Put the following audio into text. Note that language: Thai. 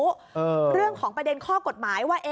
เรื่องของประเด็นข้อกฎหมายว่า